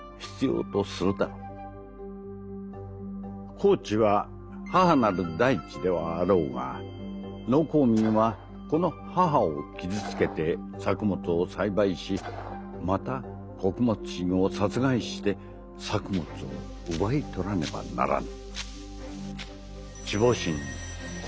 「耕地は『母なる大地』ではあろうが農耕民はこの『母』を傷つけて作物を栽培しまた穀物神を殺害して作物を奪い取らねばならぬ」。